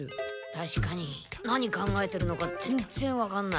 確かに何考えてるのか全然わかんない。